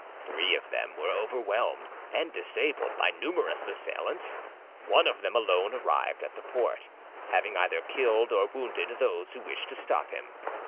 Three of them were overwhelmed and disabled by numerous assailants; one of them alone arrived at the port, having either killed or wounded those who wished to stop him.